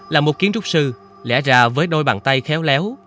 là một kiến trúc sư lẽ ra với đôi bàn tay khéo léo